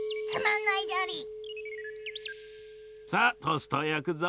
さあトーストをやくぞ。